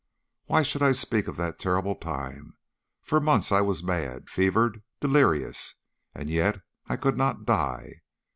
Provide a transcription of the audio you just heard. "Why should I speak of that terrible time? For months I was mad, fevered, delirious, and yet I could not die.